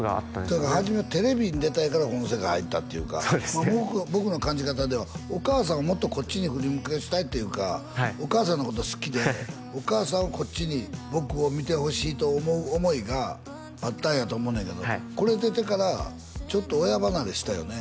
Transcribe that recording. だから初めはテレビに出たいからこの世界入ったっていうか僕の感じ方ではお母さんをもっとこっちに振り向かせたいっていうかお母さんのこと好きでお母さんをこっちに僕を見てほしいと思う思いがあったんやと思うねんけどこれ出てからちょっと親離れしたよね？